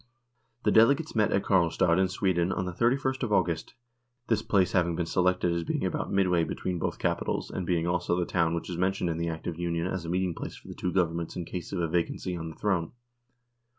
The delegates met at Karlstad in Sweden on the 3 ist of August, this place having been selected as being about midway between both capitals and being also the town which is mentioned in the Act of Union as a meeting place for the two Governments in case of a vacancy on the throne.